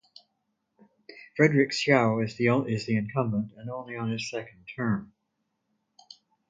Frederick Siao is the incumbent and only on his second term.